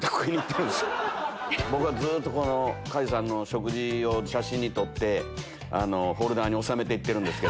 僕はずっと鍛冶さんの食事を写真に撮ってフォルダに収めて行ってるんです。